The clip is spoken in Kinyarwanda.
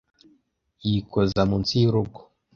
yikoza munsi y’urugo